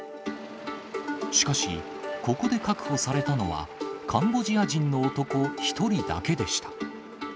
しかし、ここで確保されたのは、カンボジア人の男１人だけでした。